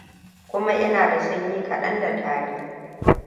kuma ina da sanyi kaɗan da tari